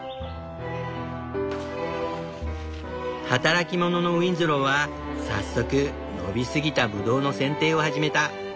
働き者のウィンズローは早速伸びすぎたブドウの剪定を始めた。